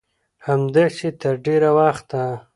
همداسې تر ډېره وخته